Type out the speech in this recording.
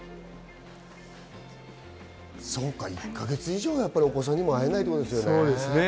１か月以上、お子さん会えないということですね。